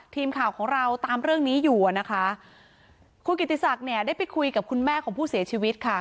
ทีมข่าวของเราตามเรื่องนี้อยู่อ่ะนะคะคุณกิติศักดิ์เนี่ยได้ไปคุยกับคุณแม่ของผู้เสียชีวิตค่ะ